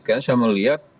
kan saya melihat